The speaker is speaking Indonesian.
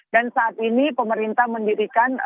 dan saat ini pemerintah mendirikan